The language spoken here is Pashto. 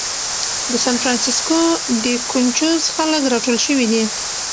د سان فرانسیسکو دې کونچوز خلک راټول شوي دي.